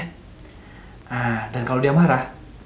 nah dan kalau dia marah